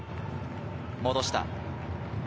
戻した。